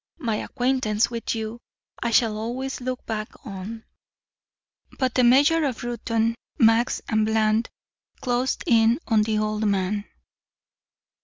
My acquaintance with you I shall always look back on " But the mayor of Reuton, Max and Bland closed in on the old man.